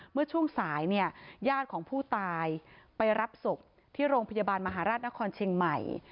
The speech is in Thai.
เมื่อช่วงสายเนี่ยญาติของผู้ตายไปรับศพที่โรงพยาบาลมหาราชนครเชียงใหม่